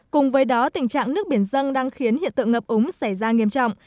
cùng với đó tình trạng nước biển dân đang khiến hiện tượng ngập ống xảy ra nghiêm trọng